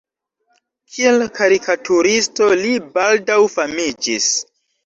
Kiel karikaturisto li baldaŭ famiĝis.